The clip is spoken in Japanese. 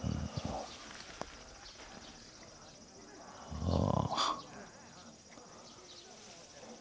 ああ。